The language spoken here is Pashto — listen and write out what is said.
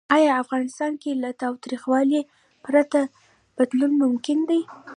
آیا افغانستان کې له تاوتریخوالي پرته بدلون ممکن دی؟